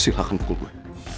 silahkan pukul gue